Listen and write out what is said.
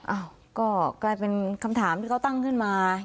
อ้าวก็กลายเป็นคำถามที่เขาตั้งขึ้นมา